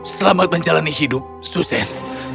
selamat menjalani hidup susan